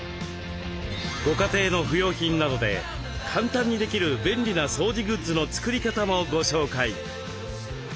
ご家庭の不用品などで簡単にできる便利な掃除グッズの作り方もご紹介。